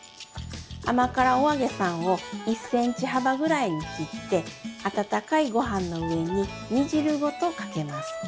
甘辛お揚げさんを１センチ幅ぐらいに切って温かいごはんの上に煮汁ごとかけます。